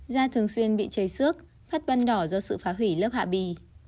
da thường xuyên bị cháy xước phát ban đỏ do sự phá hủy lớp hạ bì